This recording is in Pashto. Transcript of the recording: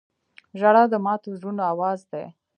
• ژړا د ماتو زړونو آواز دی.